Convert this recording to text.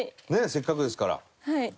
せっかくですから。